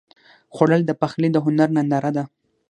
خوړل د پخلي د هنر ننداره ده